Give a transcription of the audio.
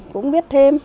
cũng biết thêm